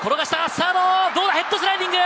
サード、ヘッドスライディング！